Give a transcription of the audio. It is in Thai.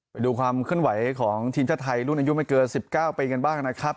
ไปดูความเคลื่อนไหวของทีมชาติไทยรุ่นอายุไม่เกิน๑๙ปีกันบ้างนะครับ